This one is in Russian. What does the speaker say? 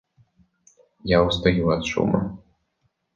Я устаю от шума.